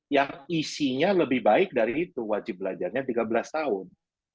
yang isinya lebih baik dari itu wajib belajarnya tiga belas tahun